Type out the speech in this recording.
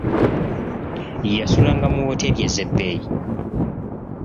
Yasulanga mu wooteri ez'ebbeeyi.